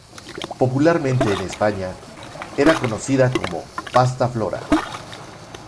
Popularmente en España, era conocida como Pasta Flora.